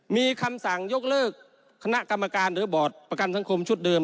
มีคำสั่งยกเลิกคณะกรรมการหรือบอร์ดประกันสังคมชุดเดิม